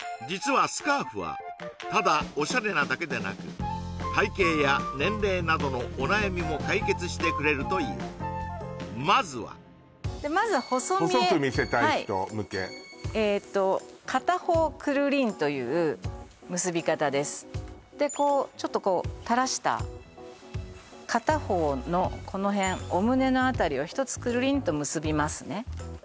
実はただオシャレなだけでなくしてくれるというまずはまずは細見え細く見せたい人向け「片方くるりん」という結び方ですでちょっとこう垂らした片方のこの辺お胸のあたりを１つくるりんと結びますね